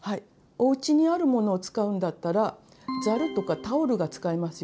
おうちにあるものを使うんだったらざるとかタオルが使えますよ。